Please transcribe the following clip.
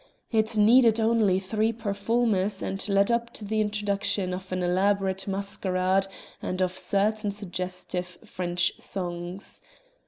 It needed only three performers and led up to the introduction of an elaborate masquerade and of certain suggestive French songs.